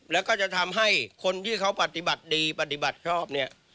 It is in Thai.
แล้วก็จะทำให้คนที่เขาปฏิบัติดีปฏิบัติชอบเนี่ย